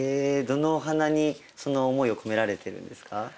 どのお花にその思いを込められてるんですか？